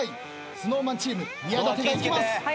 ＳｎｏｗＭａｎチーム宮舘がいきます。